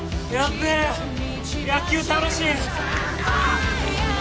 べえ野球楽しい！